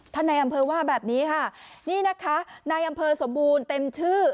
ในอำเภอว่าแบบนี้ค่ะนี่นะคะในอำเภอสมบูรณ์เต็มชื่อ